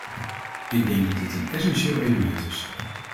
Ik denk dat dit een essentieel element is.